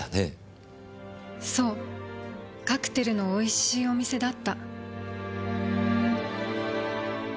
そうカクテルの美味しいお店だった。